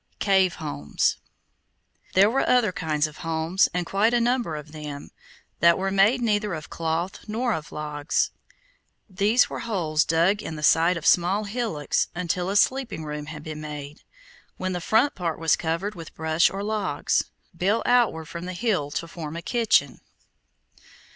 CAVE HOMES There were other kinds of homes, and quite a number of them, that were made neither of cloth nor of logs. These were holes dug in the side of small hillocks until a sleeping room had been made, when the front part was covered with brush or logs, built outward from the hill to form a kitchen.